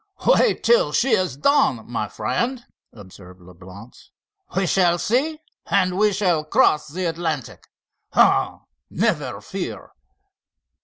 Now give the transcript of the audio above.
"Wait till she's done, my friend," observed Leblance. "We shall see—and we shall cross the Atlantic; oh, never fear."